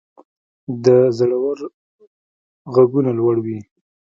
د زړورو ږغونه لوړ وي.